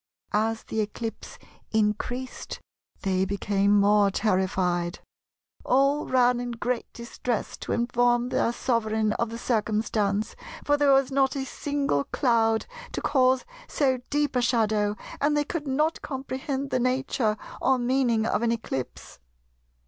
As the eclipse increased they became more terrified. All ran in great distress to inform their sovereign of the circumstance, for there was not a single cloud to cause so deep a shadow, and they could not comprehend the nature or meaning of an eclipse....